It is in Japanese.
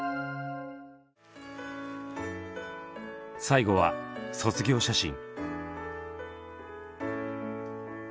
最後は「卒業写真」。